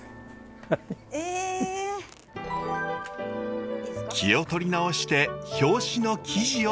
気を取り直して表紙の生地を張ります。